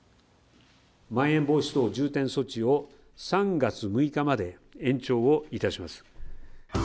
まん延防止等重点措置を３月６日まで延長をいたします。